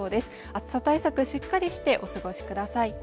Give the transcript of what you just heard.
暑さ対策はしっかりしてお過ごしください